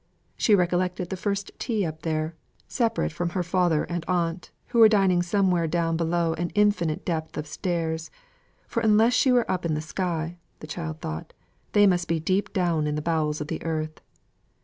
She recollected the first tea up there separate from her father and aunt, who were dining somewhere down below, an infinite depth of stairs; for unless she were up in the sky (the child thought), they must be deep down in the bowels of the earth.